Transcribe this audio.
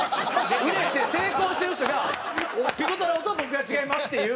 売れて成功してる人がピコ太郎と僕は違いますっていう。